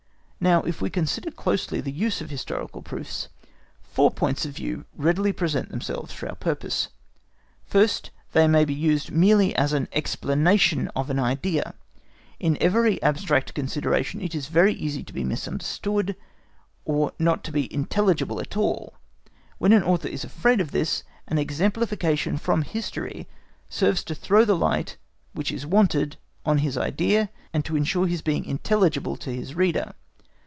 Now, if we consider closely the use of historical proofs, four points of view readily present themselves for the purpose. First, they may be used merely as an explanation of an idea. In every abstract consideration it is very easy to be misunderstood, or not to be intelligible at all: when an author is afraid of this, an exemplification from history serves to throw the light which is wanted on his idea, and to ensure his being intelligible to his reader.